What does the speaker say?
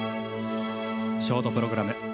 ショートプログラム